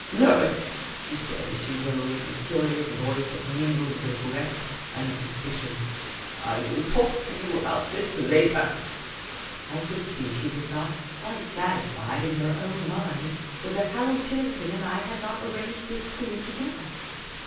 " Lois," she said, as she rose, in a curious voice of mingled regret and suspicion, " I will talk to you about this later." I could see she was not quite satisfied in her own mind whether Harold Tillington and I had not arranged this coup together.